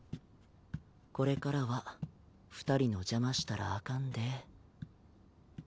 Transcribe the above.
これからは二人の邪魔したらあかんで。